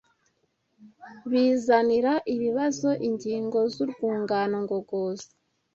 bizanira ibibazo ingingo z’urwungano ngogozi